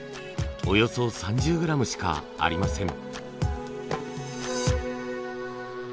およそ３０グラムしかありません。